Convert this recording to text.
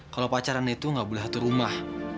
kalo pacaran itu gak boleh satu rumah